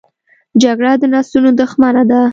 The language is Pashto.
جګړه د نسلونو دښمنه ده